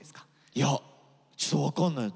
いやちょっと分かんない。